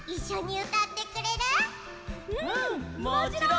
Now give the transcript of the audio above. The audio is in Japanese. うんもちろん！